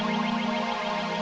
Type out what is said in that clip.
udah resen lo berdiga lo